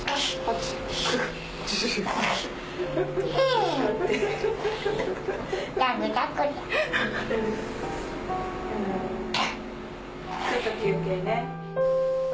ちょっと休憩ね。